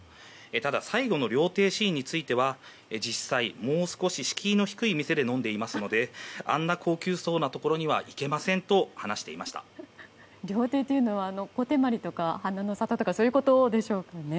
ただ、最後の料亭シーンについては実際、もう少し敷居の低い店で飲んでいますのであんな高級そうなところには行けませんと料亭というのはこてまりとか花の里ということでしょうかね。